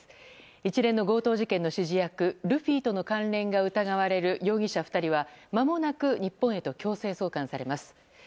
一連の強盗事件の指示役ルフィとの関連が疑われる容疑者２人はまもなく日本へと強制送還されます。